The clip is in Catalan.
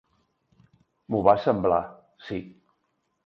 M'ho va semblar, sí.